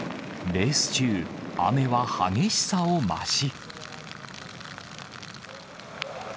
レース中、雨は激しさを増し。